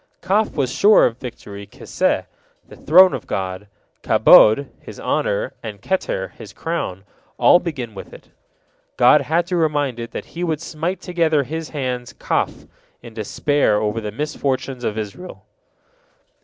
Kaf was sure of victory Kisseh, the throne of God, Kabod, His honor, and Keter, His crown, all begin with it. God had to remind it that He would smite together His hands, Kaf, in despair over the misfortunes of Israel.